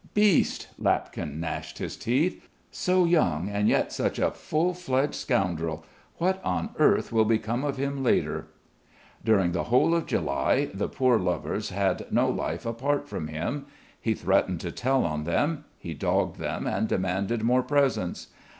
"Beast!" Lapkin gnashed his teeth. "So young and yet such a full fledged scoundrel. What on earth will become of him later!" During the whole of July the poor lovers had no life apart from him. He threatened to tell on them; he dogged them and demanded more presents.